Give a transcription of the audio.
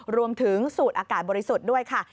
รวมถึงสูตรอากาศบริสุทธิ์ด้วยค่ะ